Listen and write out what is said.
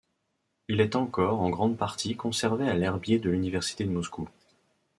Il est encore, en grande partie, conservé à l’herbier de l'université de Moscou.